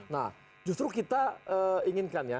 nah justru kita inginkan ya